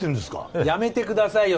ええやめてくださいよ